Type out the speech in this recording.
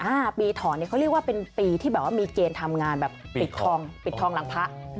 อ่าปีถอนเนี่ยเขาเรียกว่าเป็นปีที่แบบว่ามีเกณฑ์ทำงานแบบปิดทองปิดทองหลังพระ